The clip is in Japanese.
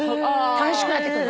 楽しくなってくる。